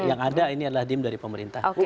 yang ada ini adalah dim dari pemerintah